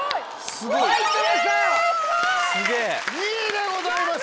すごい！２位でございます。